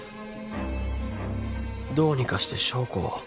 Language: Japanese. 「どうにかして証拠を」